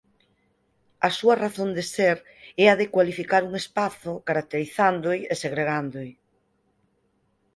A súa razón de ser é a de cualificar un espazo caracterizándoo e segregándoo.